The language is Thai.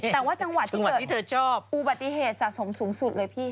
แต่ว่าจังหวะที่เกิดอุบัติเหตุสะสมสูงสุดเลยพี่